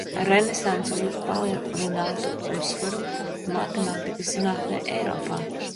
Renesanse uzlika palielinātu uzsvaru matemātikas zinātnei Eiropā.